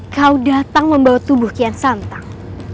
kau datang membawa tubuh kian santang